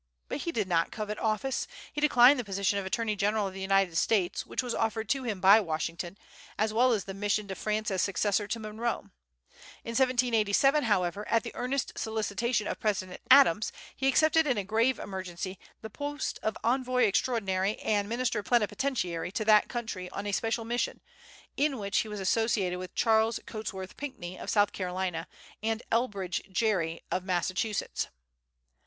But he did not covet office. He declined the position of Attorney General of the United States, which was offered to him by Washington, as well as the mission to France as successor to Monroe. In 1797, however, at the earnest solicitation of President Adams, he accepted in a grave emergency the post of envoy extraordinary and minister plenipotentiary to that country on a special mission, in which he was associated with Charles Cotesworth Pinckney, of South Carolina, and Elbridge Gerry, of Massachusetts.